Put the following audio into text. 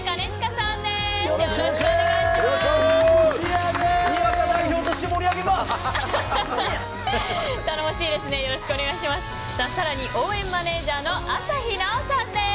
さらに応援マネージャーの朝日奈央さんです。